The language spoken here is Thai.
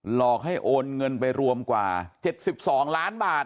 หลอกให้โอนเงินไปรวมกว่า๗๒ล้านบาท